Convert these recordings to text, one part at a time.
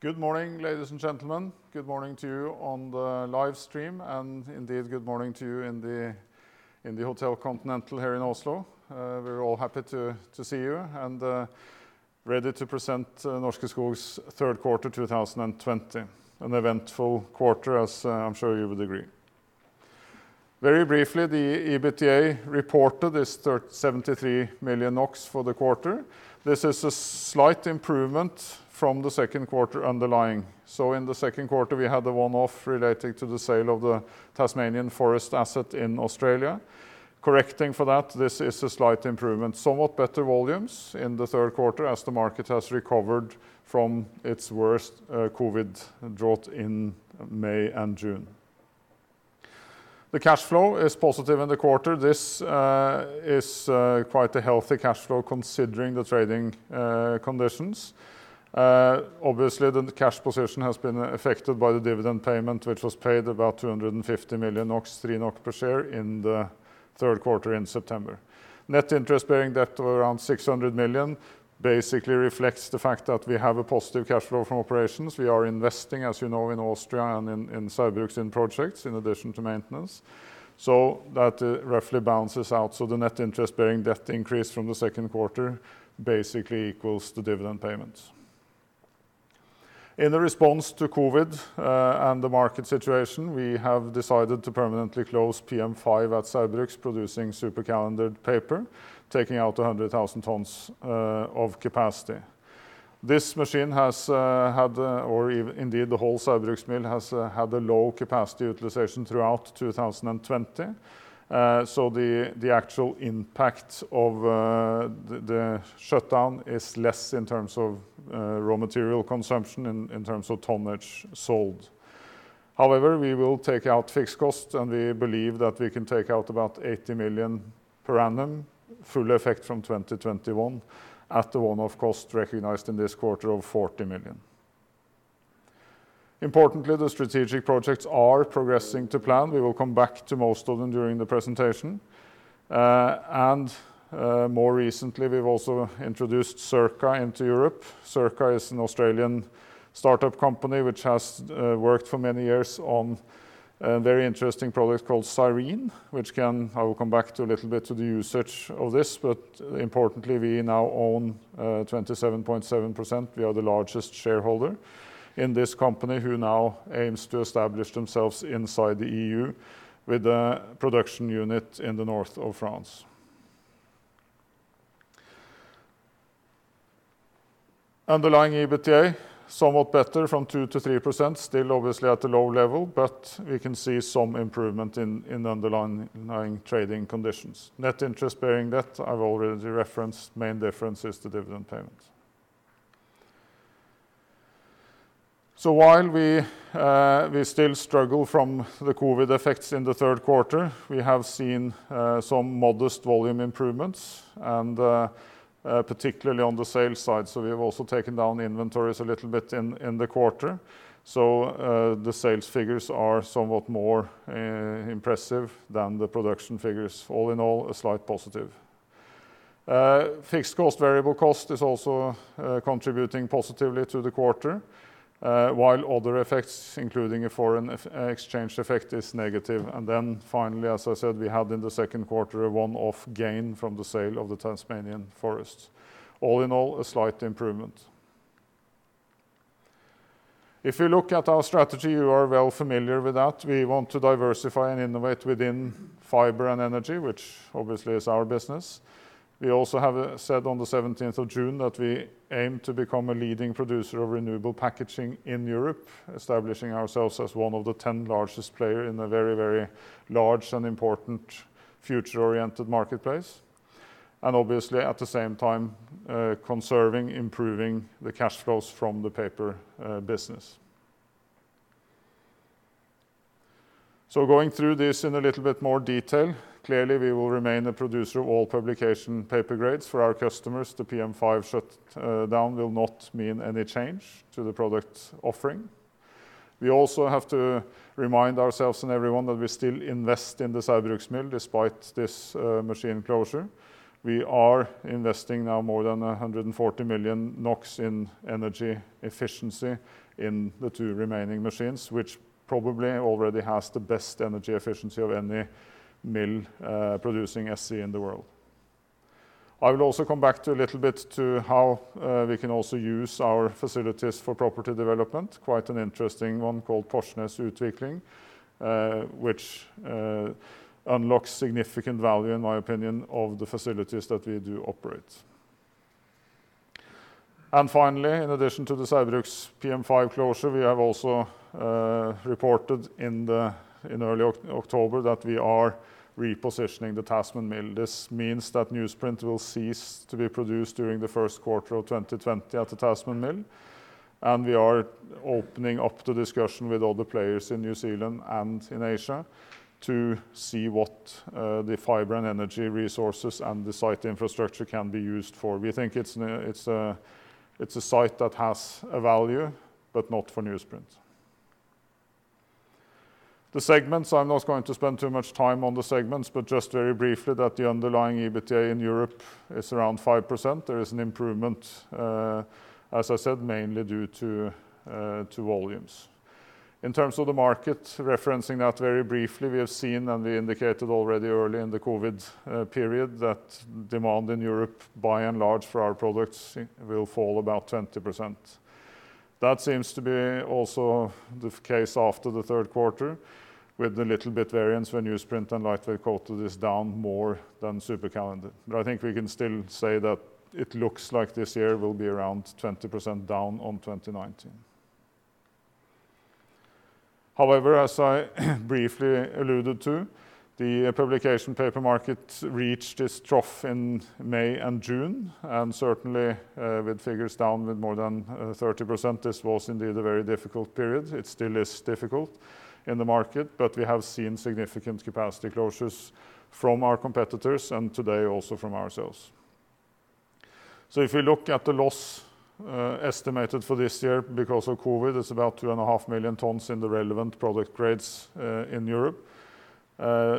Good morning, ladies and gentlemen. Good morning to you on the live stream, and indeed, good morning to you in the Hotel Continental here in Oslo. We are all happy to see you and ready to present Norske Skog's third quarter 2020, an eventful quarter, as I am sure you would agree. Very briefly, the EBITDA reported is 73 million NOK for the quarter. This is a slight improvement from the second quarter underlying. In the second quarter, we had the one-off relating to the sale of the Tasmanian forest asset in Australia. Correcting for that, this is a slight improvement. Somewhat better volumes in the third quarter as the market has recovered from its worst COVID drought in May and June. The cash flow is positive in the quarter. This is quite a healthy cash flow considering the trading conditions. Obviously, the cash position has been affected by the dividend payment, which was paid about 250 million, 3 per share in the third quarter in September. Net interest-bearing debt of around 600 million basically reflects the fact that we have a positive cash flow from operations. We are investing, as you know, in Austria and in Saugbrugs projects, in addition to maintenance. That roughly balances out. The net interest-bearing debt increase from the second quarter basically equals the dividend payments. In the response to COVID and the market situation, we have decided to permanently close PM5 at Saugbrugs producing supercalendered paper, taking out 100,000 tons of capacity. This machine has had, or indeed the whole Saugbrugs mill, has had a low capacity utilization throughout 2020. The actual impact of the shutdown is less in terms of raw material consumption, in terms of tonnage sold. We will take out fixed costs, and we believe that we can take out about 80 million per annum, full effect from 2021 at the one-off cost recognized in this quarter of 40 million. Importantly, the strategic projects are progressing to plan. We will come back to most of them during the presentation. More recently, we've also introduced Circa into Europe. Circa is an Australian startup company which has worked for many years on a very interesting product called Cyrene, which I will come back to a little bit to the usage of this, but importantly, we now own 27.7%. We are the largest shareholder in this company who now aims to establish themselves inside the EU with a production unit in the north of France. Underlying EBITDA, somewhat better from 2%-3%, still obviously at a low level, but we can see some improvement in underlying trading conditions. Net interest bearing debt I've already referenced, main difference is the dividend payment. While we still struggle from the COVID effects in the third quarter, we have seen some modest volume improvements and particularly on the sales side. We have also taken down inventories a little bit in the quarter. The sales figures are somewhat more impressive than the production figures. All in all, a slight positive. Fixed cost, variable cost is also contributing positively to the quarter, while other effects, including a foreign exchange effect, is negative. Finally, as I said, we had in the second quarter a one-off gain from the sale of the Tasmanian forests. All in all, a slight improvement. If you look at our strategy, you are well familiar with that. We want to diversify and innovate within fiber and energy, which obviously is our business. We also have said on the 17th of June that we aim to become a leading producer of renewable packaging in Europe, establishing ourselves as one of the 10 largest player in a very, very large and important future-oriented marketplace. Obviously, at the same time, conserving, improving the cash flows from the paper business. Going through this in a little bit more detail, clearly we will remain a producer of all publication paper grades for our customers. The PM5 shut down will not mean any change to the product offering. We also have to remind ourselves and everyone that we still invest in the Saugbrugs mill despite this machine closure. We are investing now more than 140 million NOK in energy efficiency in the two remaining machines, which probably already has the best energy efficiency of any mill producing SC in the world. I will also come back to a little bit to how we can also use our facilities for property development. Quite an interesting one called Porsnes Utvikling which unlocks significant value, in my opinion, of the facilities that we do operate. Finally, in addition to the Saugbrugs PM5 closure, we have also reported in early October that we are repositioning the Tasman mill. This means that newsprint will cease to be produced during the first quarter of 2020 at the Tasman mill. We are opening up to discussion with other players in New Zealand and in Asia to see what the fiber and energy resources and the site infrastructure can be used for. We think it's a site that has a value, but not for newsprint. The segments, I'm not going to spend too much time on the segments, but just very briefly that the underlying EBITDA in Europe is around 5%. There is an improvement, as I said, mainly due to volumes. In terms of the market, referencing that very briefly, we have seen and we indicated already early in the COVID period that demand in Europe by and large for our products will fall about 20%. That seems to be also the case after the third quarter, with a little bit variance when newsprint and lightweight coated is down more than supercalender. I think we can still say that it looks like this year will be around 20% down on 2019. However, as I briefly alluded to, the publication paper market reached its trough in May and June, and certainly, with figures down with more than 30%, this was indeed a very difficult period. It still is difficult in the market, but we have seen significant capacity closures from our competitors and today also from ourselves. If we look at the loss estimated for this year because of COVID, it's about two and a half million tons in the relevant product grades in Europe.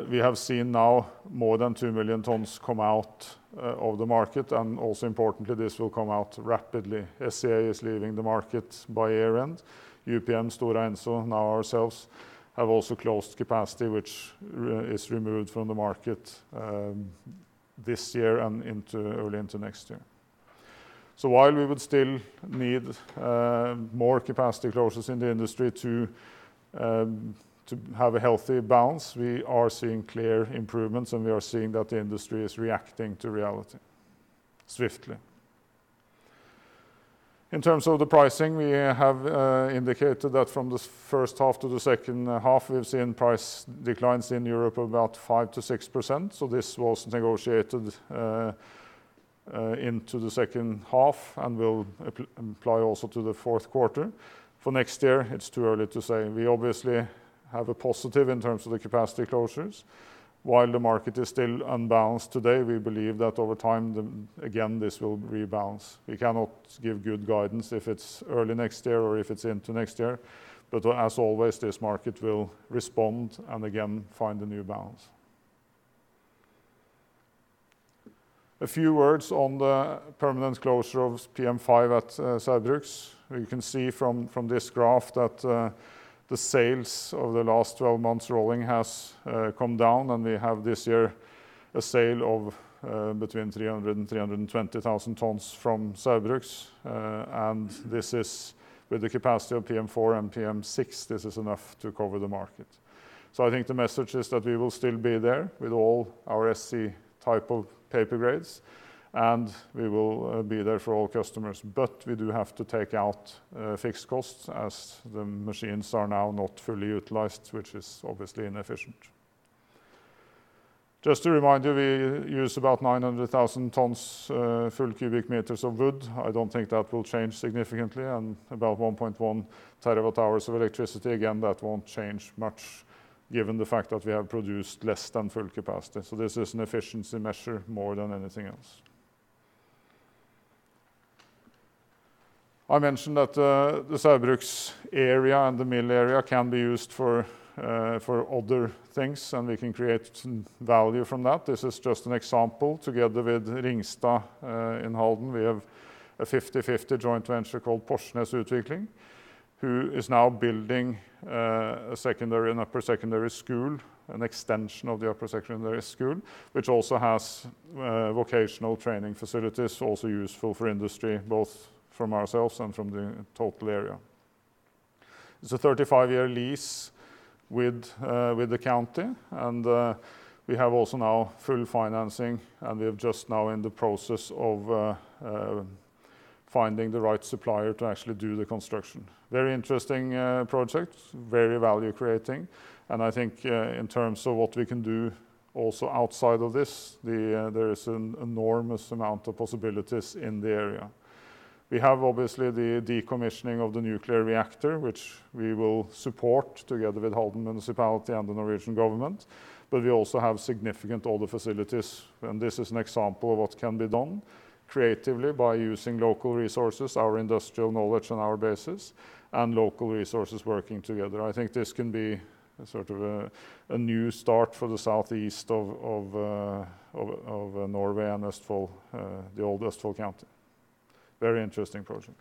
We have seen now more than 2 million tons come out of the market, and also importantly, this will come out rapidly. SCA is leaving the market by year-end. UPM, Stora Enso, now ourselves, have also closed capacity, which is removed from the market this year and early into next year. While we would still need more capacity closures in the industry to have a healthy balance, we are seeing clear improvements, and we are seeing that the industry is reacting to reality swiftly. In terms of the pricing, we have indicated that from the first half to the second half, we've seen price declines in Europe of about 5%-6%. This was negotiated into the second half and will apply also to the fourth quarter. For next year, it's too early to say. We obviously have a positive in terms of the capacity closures. While the market is still unbalanced today, we believe that over time, again, this will rebalance. We cannot give good guidance if it's early next year or if it's into next year. As always, this market will respond and again find a new balance. A few words on the permanent closure of PM5 at Saugbrugs. You can see from this graph that the sales over the last 12 months rolling has come down, and we have this year a sale of between 300,000 and 320,000 tons from Saugbrugs. With the capacity of PM4 and PM6, this is enough to cover the market. I think the message is that we will still be there with all our SC type of paper grades, and we will be there for all customers. We do have to take out fixed costs as the machines are now not fully utilized, which is obviously inefficient. Just to remind you, we use about 900,000 tons, full cubic meters of wood. I don't think that will change significantly, and about 1.1 terawatt-hours of electricity. That won't change much given the fact that we have produced less than full capacity. This is an efficiency measure more than anything else. I mentioned that the Saugbrugs area and the mill area can be used for other things, and we can create value from that. This is just an example. Together with Ringstad in Halden, we have a 50/50 joint venture called Porsnes Utvikling, who is now building a secondary and upper secondary school, an extension of the upper secondary school, which also has vocational training facilities also useful for industry, both from ourselves and from the total area. It's a 35-year lease with the county, and we have also now full financing, and we're just now in the process of finding the right supplier to actually do the construction. Very interesting project, very value creating, and I think in terms of what we can do also outside of this, there is an enormous amount of possibilities in the area. We have obviously the decommissioning of the nuclear reactor, which we will support together with Halden Municipality and the Norwegian government, but we also have significant other facilities, and this is an example of what can be done creatively by using local resources, our industrial knowledge, and our bases and local resources working together. I think this can be sort of a new start for the southeast of Norway and the old Østfold county. Very interesting project.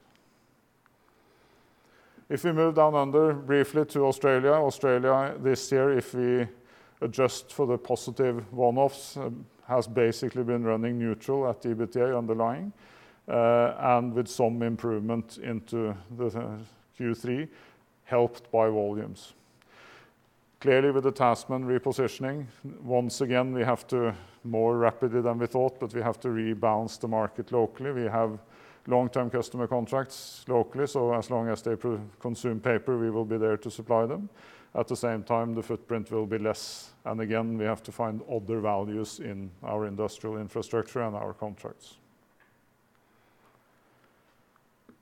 If we move down under briefly to Australia. Australia this year, if we adjust for the positive one-offs, has basically been running neutral at EBITDA underlying, and with some improvement into the Q3, helped by volumes. Clearly, with the Tasman repositioning, once again, more rapidly than we thought, but we have to rebalance the market locally. We have long-term customer contracts locally, so as long as they consume paper, we will be there to supply them. At the same time, the footprint will be less, and again, we have to find other values in our industrial infrastructure and our contracts.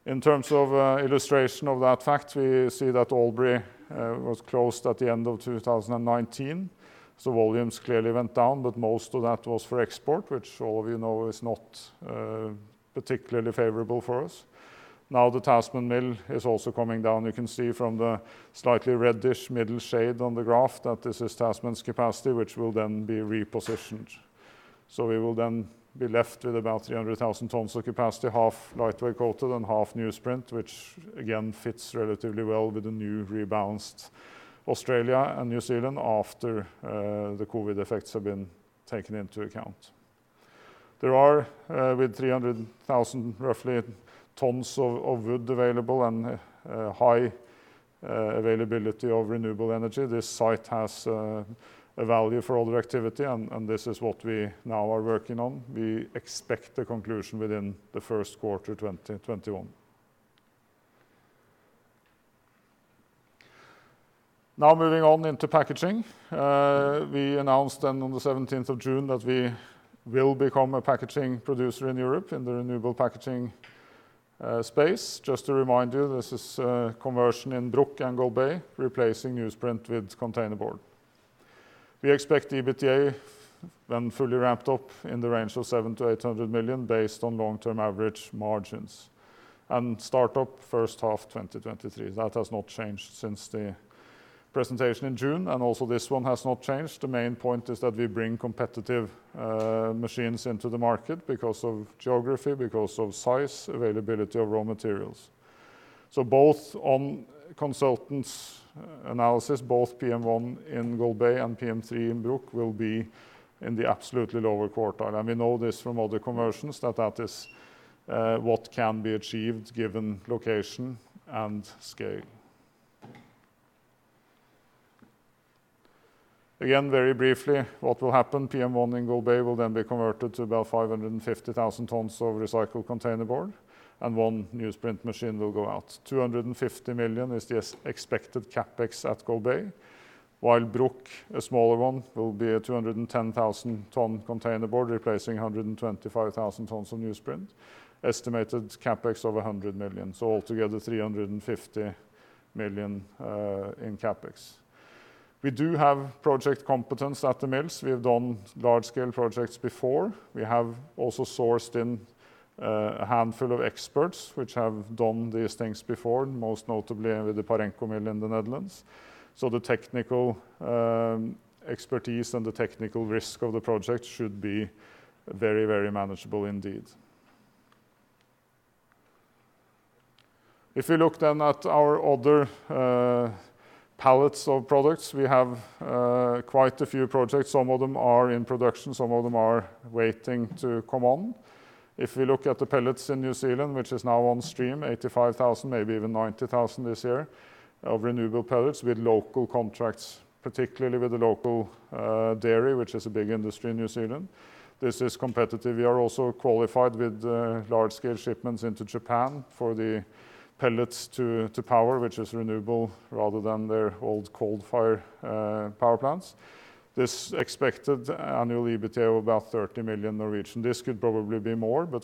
In terms of illustration of that fact, we see that Albury was closed at the end of 2019. Volumes clearly went down, but most of that was for export, which all of you know is not particularly favorable for us. Now the Tasman mill is also coming down. You can see from the slightly reddish middle shade on the graph that this is Tasman's capacity, which will then be repositioned. We will then be left with about 300,000 tons of capacity, half lightweight coated and half newsprint, which again fits relatively well with the new rebalanced Australia and New Zealand after the COVID effects have been taken into account. There are with 300,000 roughly tons of wood available and high availability of renewable energy. This site has a value for other activity, and this is what we now are working on. We expect the conclusion within the first quarter 2021. Moving on into packaging. We announced then on the 17th of June that we will become a packaging producer in Europe in the renewable packaging space. Just to remind you, this is conversion in Bruck and Golbey replacing newsprint with containerboard. We expect the EBITDA when fully ramped up in the range of 700 million-800 million, based on long-term average margins. Start up first half 2023. That has not changed since the presentation in June. Also, this one has not changed. The main point is that we bring competitive machines into the market because of geography, because of size, availability of raw materials. Both on consultants' analysis, both PM1 in Golbey and PM3 in Bruck will be in the absolutely lower quartile. We know this from other conversions that that is what can be achieved given location and scale. Again, very briefly, what will happen, PM1 in Golbey will then be converted to about 550,000 tons of recycled containerboard, and one newsprint machine will go out. 250 million is the expected CapEx at Golbey, while Bruck, a smaller one, will be at 210,000 tons of containerboard, replacing 125,000 tons of newsprint. Estimated CapEx of 100 million. Altogether, 350 million in CapEx. We do have project competence at the mills. We have done large-scale projects before. We have also sourced in a handful of experts who have done these things before, most notably with the Parenco mill in the Netherlands. The technical expertise and the technical risk of the project should be very manageable indeed. If we look then at our other palettes of products, we have quite a few projects. Some of them are in production, some of them are waiting to come on. If we look at the pellets in New Zealand, which is now on stream, 85,000, maybe even 90,000 this year of renewable pellets with local contracts, particularly with the local dairy, which is a big industry in New Zealand. This is competitive. We are also qualified with large scale shipments into Japan for the pellets to power, which is renewable rather than their old coal fire power plants. This expected annual EBITDA of about 30 million.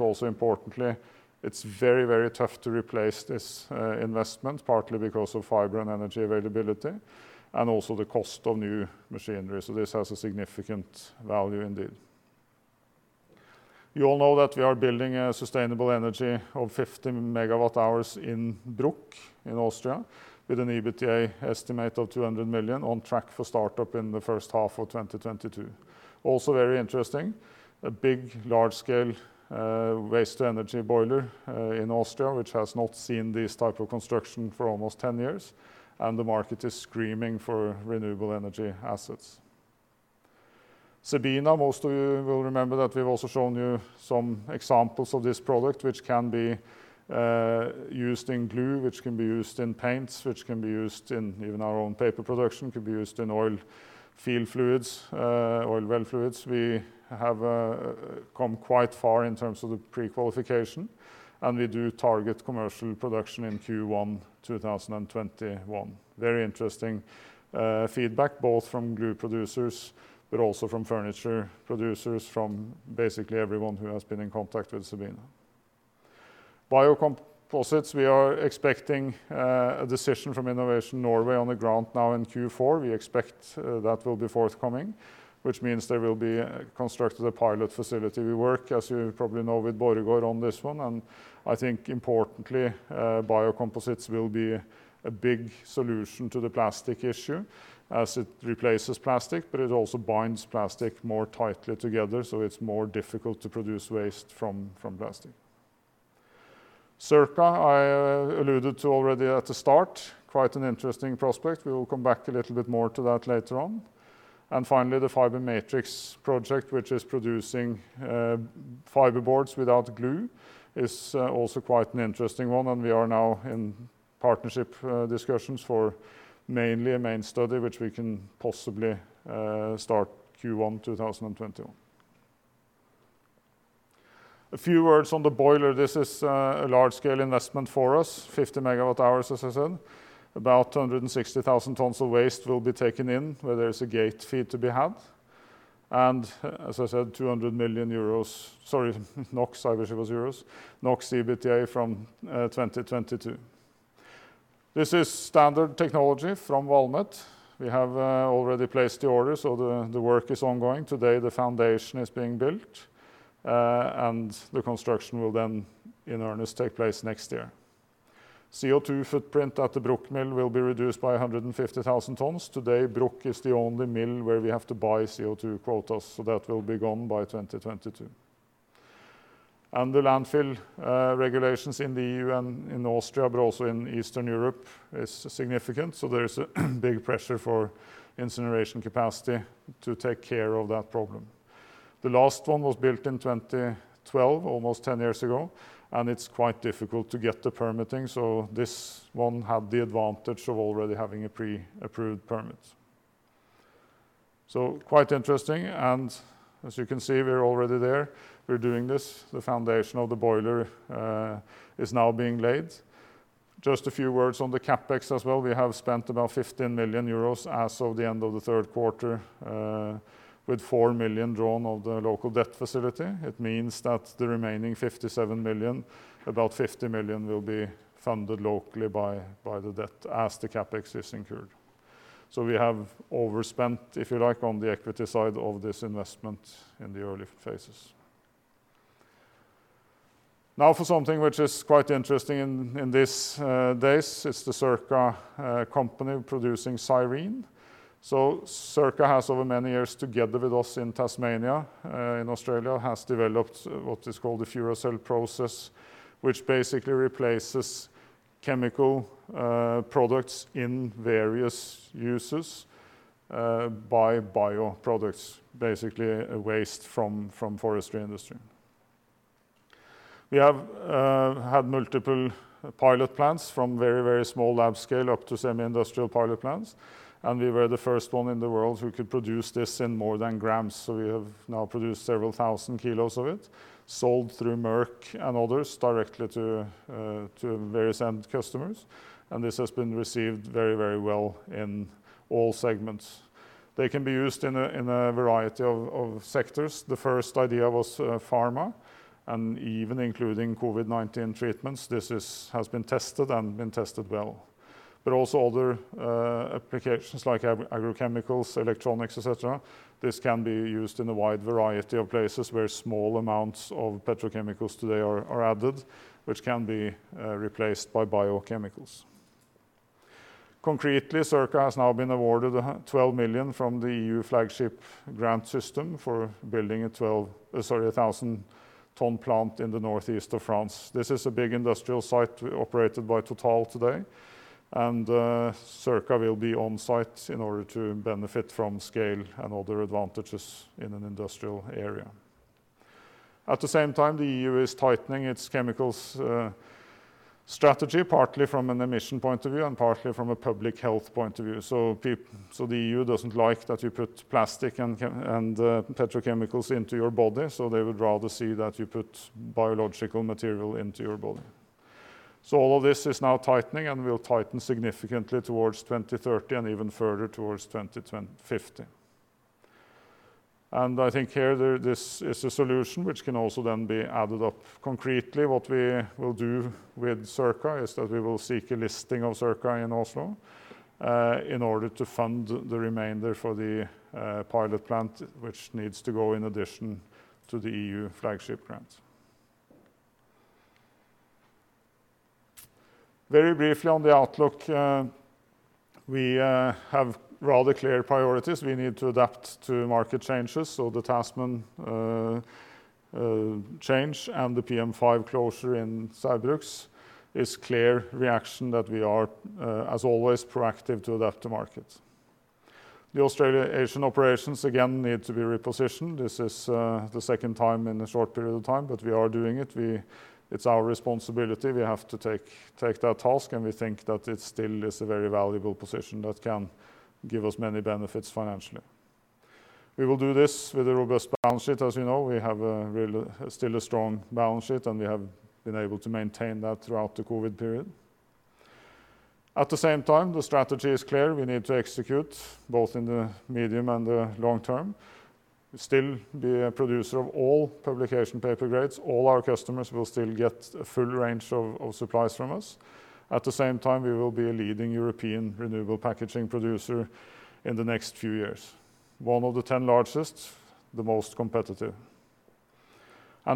Also importantly, it's very, very tough to replace this investment, partly because of fiber and energy availability and also the cost of new machinery. This has a significant value indeed. You all know that we are building a sustainable energy of 50 MWh in Bruck in Austria with an EBITDA estimate of 200 million on track for startup in the first half of 2022. Very interesting, a big large scale waste to energy boiler in Austria, which has not seen this type of construction for almost 10 years, and the market is screaming for renewable energy assets. CEBINA, most of you will remember that we've also shown you some examples of this product, which can be used in glue, which can be used in paints, which can be used in even our own paper production, could be used in oil field fluids, oil well fluids. We have come quite far in terms of the pre-qualification. We do target commercial production in Q1 2021. Very interesting feedback both from glue producers but also from furniture producers, from basically everyone who has been in contact with CEBINA. Biocomposites, we are expecting a decision from Innovation Norway on the grant now in Q4. We expect that will be forthcoming, which means there will be constructed a pilot facility. We work, as you probably know, with Borregaard on this one, and I think importantly, biocomposites will be a big solution to the plastic issue as it replaces plastic, but it also binds plastic more tightly together, so it's more difficult to produce waste from plastic. Circa, I alluded to already at the start. Quite an interesting prospect. We will come back a little bit more to that later on. Finally, the Fiber Matrix project, which is producing fiberboards without glue, is also quite an interesting one, and we are now in partnership discussions for mainly a main study, which we can possibly start Q1 2021. A few words on the boiler. This is a large scale investment for us, 50 MWh, as I said. About 260,000 tons of waste will be taken in where there is a gate fee to be had. As I said, 200 million euros. Sorry, NOK. I wish it was euros. NOK EBITDA from 2022. This is standard technology from Valmet. We have already placed the order, the work is ongoing. Today, the foundation is being built, the construction will then in earnest take place next year. CO2 footprint at the Bruck mill will be reduced by 150,000 tons. Today, Bruck is the only mill where we have to buy CO2 quotas, that will be gone by 2022. The landfill regulations in the EU and in Austria, also in Eastern Europe, is significant. There is a big pressure for incineration capacity to take care of that problem. The last one was built in 2012, almost 10 years ago. It's quite difficult to get the permitting, this one had the advantage of already having a pre-approved permit. Quite interesting, and as you can see, we are already there. We're doing this. The foundation of the boiler is now being laid. Just a few words on the CapEx as well. We have spent about 15 million euros as of the end of the third quarter, with 4 million drawn of the local debt facility. It means that the remaining 57 million, about 50 million will be funded locally by the debt as the CapEx is incurred. We have overspent, if you like, on the equity side of this investment in the early phases. Now for something which is quite interesting in this days, it's the Circa Group producing Cyrene. Circa has over many years, together with us in Tasmania in Australia, has developed what is called the Furacell™ process, which basically replaces chemical products in various uses by bio products, basically a waste from forestry industry. We have had multiple pilot plants from very, very small lab scale up to semi-industrial pilot plants, and we were the first one in the world who could produce this in more than grams. We have now produced several thousand kilos of it, sold through Merck and others directly to various end customers, and this has been received very well in all segments. They can be used in a variety of sectors. The first idea was pharma, and even including COVID-19 treatments, this has been tested and been tested well. Also other applications like agrochemicals, electronics, et cetera. This can be used in a wide variety of places where small amounts of petrochemicals today are added, which can be replaced by biochemicals. Circa has now been awarded 12 million from the EU flagship grant system for building a 1,000 ton plant in the northeast of France. This is a big industrial site operated by Total today. Circa will be on site in order to benefit from scale and other advantages in an industrial area. The EU is tightening its chemicals strategy, partly from an emission point of view and partly from a public health point of view. The EU doesn't like that you put plastic and petrochemicals into your body. They would rather see that you put biological material into your body. All of this is now tightening, will tighten significantly towards 2030 and even further towards 2050. I think here, this is a solution which can also then be added up concretely. What we will do with Circa is that we will seek a listing of Circa in Oslo in order to fund the remainder for the pilot plant, which needs to go in addition to the EU flagship grant. Very briefly on the outlook, we have rather clear priorities. We need to adapt to market changes. The Tasman change and the PM5 closure in Saugbrugs is clear reaction that we are, as always, proactive to adapt to markets. The Australian operations again need to be repositioned. This is the second time in a short period of time, but we are doing it. It's our responsibility. We have to take that task, and we think that it still is a very valuable position that can give us many benefits financially. We will do this with a robust balance sheet. As you know, we have still a strong balance sheet, and we have been able to maintain that throughout the COVID period. The strategy is clear. We need to execute both in the medium and the long term. We still be a producer of all publication paper grades. All our customers will still get a full range of supplies from us. We will be a leading European renewable packaging producer in the next few years. One of the 10 largest, the most competitive.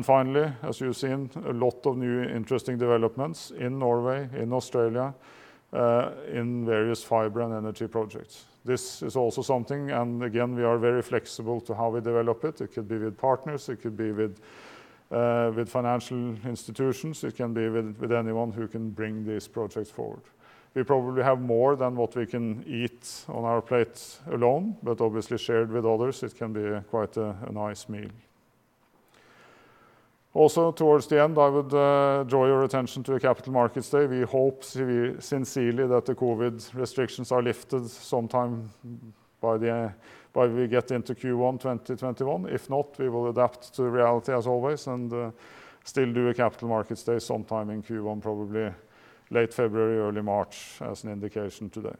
Finally, as you have seen, a lot of new interesting developments in Norway, in Australia, in various fiber and energy projects. This is also something, and again, we are very flexible to how we develop it. It could be with partners, it could be with financial institutions. It can be with anyone who can bring these projects forward. We probably have more than what we can eat on our plate alone, but obviously shared with others, it can be quite a nice meal. Towards the end, I would draw your attention to our capital markets day. We hope sincerely that the COVID restrictions are lifted sometime by we get into Q1 2021. If not, we will adapt to reality as always and still do a capital markets day sometime in Q1, probably late February, early March, as an indication today.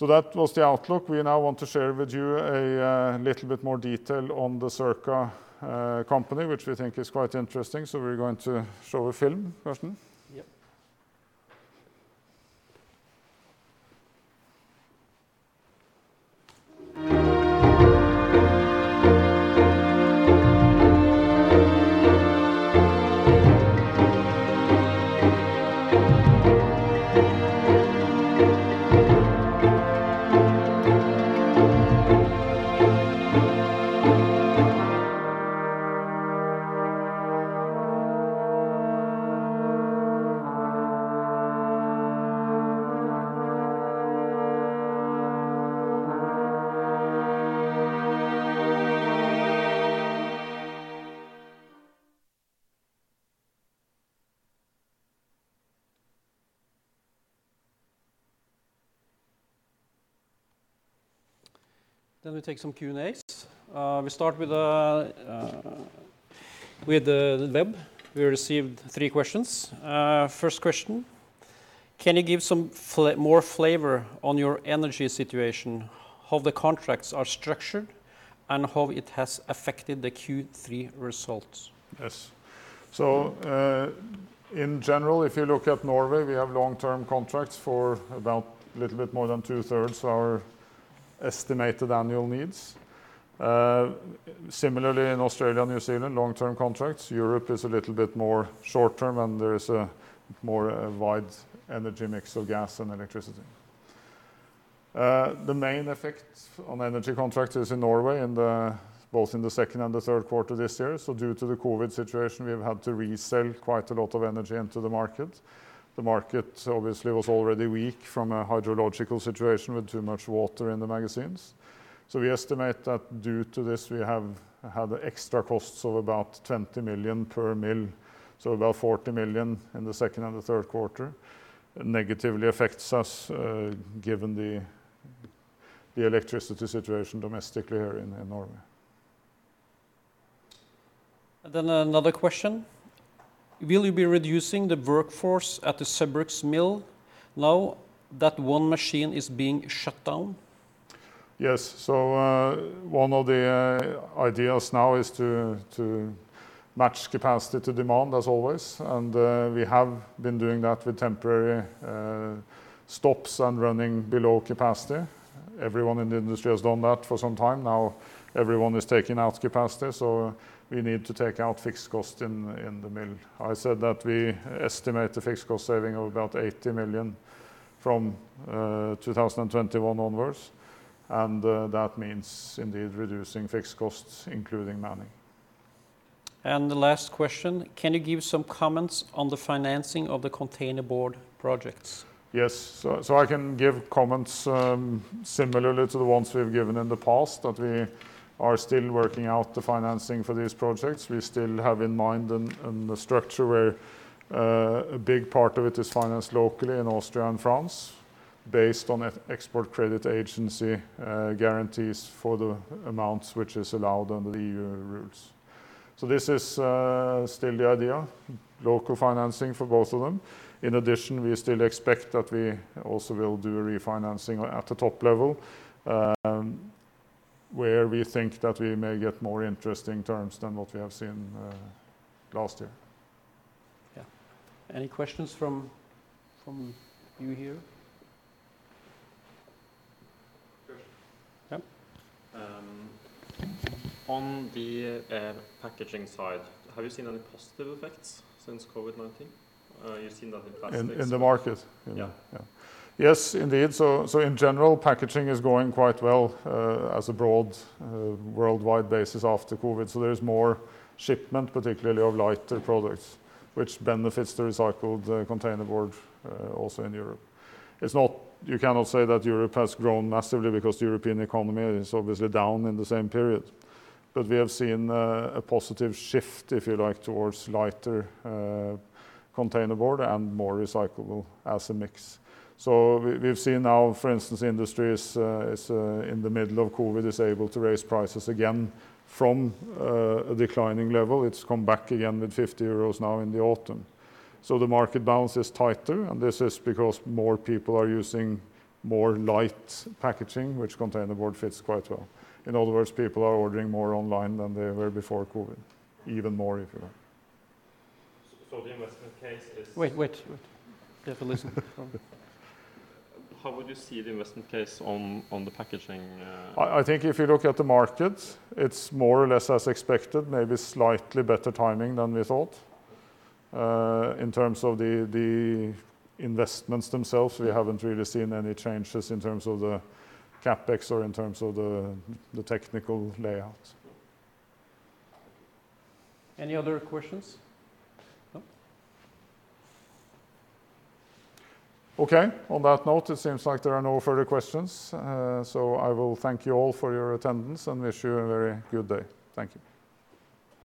That was the outlook. We now want to share with you a little bit more detail on the Circa company, which we think is quite interesting. We're going to show a film. Kirsten? Yep. We take some Q&As. We start with the web. We received three questions. First question: can you give some more flavor on your energy situation, how the contracts are structured, and how it has affected the Q3 results? Yes. In general, if you look at Norway, we have long-term contracts for about little bit more than 2/3 our estimated annual needs. Similarly, in Australia and New Zealand, long-term contracts. Europe is a little bit more short-term, and there is a more wide energy mix of gas and electricity. The main effect on energy contract is in Norway, both in the second and the third quarter this year. Due to the COVID situation, we have had to resell quite a lot of energy into the market. The market obviously was already weak from a hydrological situation with too much water in the magazines. We estimate that due to this, we have had extra costs of about 20 million per mill, so about 40 million in the second and the third quarter. It negatively affects us given the electricity situation domestically here in Norway. Another question: will you be reducing the workforce at the Saugbrugs mill now that one machine is being shut down? Yes. One of the ideas now is to match capacity to demand as always, and we have been doing that with temporary stops and running below capacity. Everyone in the industry has done that for some time now. Everyone is taking out capacity, so we need to take out fixed cost in the mill. I said that we estimate a fixed cost saving of about 80 million from 2021 onwards, and that means indeed reducing fixed costs, including manning. The last question: can you give some comments on the financing of the containerboard projects? Yes. I can give comments similarly to the ones we've given in the past, that we are still working out the financing for these projects. We still have in mind and the structure where a big part of it is financed locally in Austria and France based on export credit agency guarantees for the amounts which is allowed under the EU rules. This is still the idea, local financing for both of them. In addition, we still expect that we also will do a refinancing at the top level, where we think that we may get more interesting terms than what we have seen last year. Yeah. Any questions from you here? Question. Yeah. On the packaging side, have you seen any positive effects since COVID-19? In the market? Yeah. Yeah. Yes, indeed. In general, packaging is going quite well as a broad worldwide basis after COVID. There is more shipment, particularly of lighter products, which benefits the recycled containerboard also in Europe. You cannot say that Europe has grown massively because the European economy is obviously down in the same period. We have seen a positive shift, if you like, towards lighter containerboard and more recyclable as a mix. We've seen now, for instance, industries in the middle of COVID is able to raise prices again from a declining level. It's come back again with 50 euros now in the autumn. The market balance is tighter, and this is because more people are using more light packaging, which containerboard fits quite well. In other words, people are ordering more online than they were before COVID, even more if you like. The investment case. Wait. We have to listen. How would you see the investment case on the packaging? I think if you look at the markets, it's more or less as expected, maybe slightly better timing than we thought. In terms of the investments themselves, we haven't really seen any changes in terms of the CapEx or in terms of the technical layout. Any other questions? No? Okay. On that note, it seems like there are no further questions. I will thank you all for your attendance and wish you a very good day. Thank you.